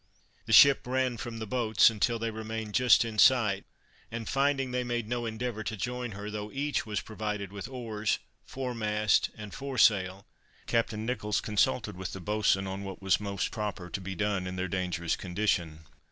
The ship ran from the boats, until they remained just in sight; and finding they made no endeavor to join her, though each was provided with oars, foremast and foresail, Captain Nicholls consulted with the boatswain on what was most proper to be done in their dangerous condition.